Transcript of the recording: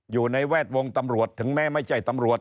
อยู่ในแวดวงตำรวจถึงแม้ไม่ใช่ตำรวจ